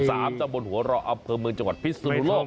เจ้าบนหัวรออับเผิมเมืองจังหวัดพิสนุโลก